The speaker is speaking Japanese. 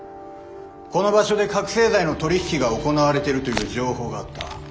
この場所で覚せい剤の取り引きが行われているという情報があった。